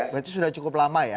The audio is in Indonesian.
berarti sudah cukup lama ya